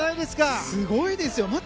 すごいですよ。